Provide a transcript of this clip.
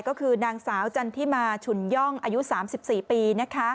ก็คือนางสาวจันทิมาฉุนย่องอายุ๓๔ปี